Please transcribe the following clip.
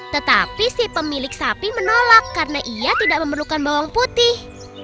tetapi si pemilik sapi menolak karena ia tidak memerlukan bawang putih